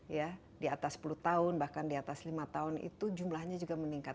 ya di atas sepuluh tahun bahkan di atas lima tahun itu jumlahnya juga meningkat